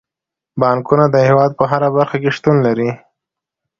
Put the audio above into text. بانکونه د هیواد په هره برخه کې شتون لري.